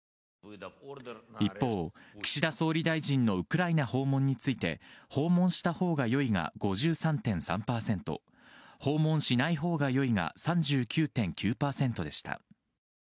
一方、岸田総理大臣のウクライナ訪問について訪問したほうが良いが５３．３％訪問しないほうが良いが３９．３％でした。